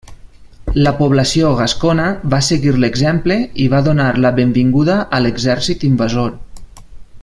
La població gascona va seguir l'exemple i van donar la benvinguda a l'exèrcit invasor.